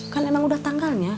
kan emang udah tanggalnya